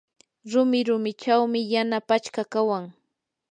rumi rumichawmi yana pachka kawan.